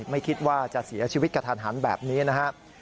ไม่คิดว่าจะเสียชีวิตกระทันหันแบบนี้นะครับ